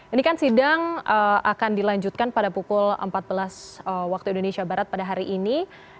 ini kan sidang akan dilanjutkan pada pukul empat belas waktu indonesia barat pada hari ini